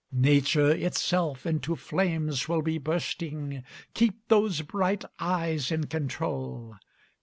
Nature itself into flames will be bursting; Keep those bright eyes in control!